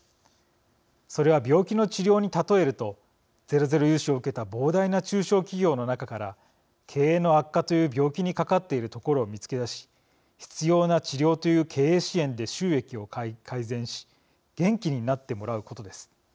それは病気の治療に例えるとゼロゼロ融資を受けた膨大な中小企業の中から経営の悪化という病気にかかっているところを見つけだし必要な治療という経営支援で収益を改善し元気になってもらうことです。